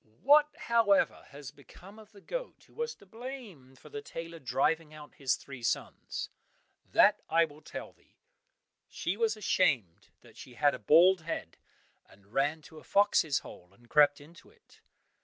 (What, however, has become of the goat who was to blame for the tailor driving out his three sons? That I will tell thee. She was ashamed that she had a bald head, and ran to a fox's hole and crept into it.